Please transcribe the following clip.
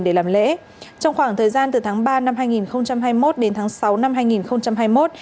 để làm lễ trong khoảng thời gian từ tháng ba năm hai nghìn hai mươi một đến tháng sáu năm hai nghìn hai mươi một